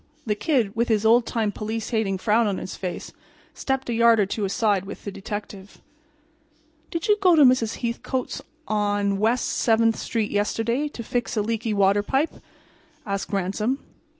The Kid, with his old time police hating frown on his face, stepped a yard or two aside with the detective. "Did you go to Mrs. Hethcote's on West 7—th street yesterday to fix a leaky water pipe?" asked Ransom.